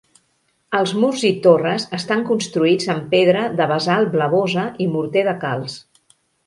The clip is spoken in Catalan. Els murs i torres estan construïts amb pedra de basalt blavosa i morter de calç.